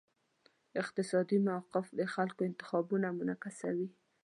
اقتصادي موقف د خلکو انتخابونه منعکسوي.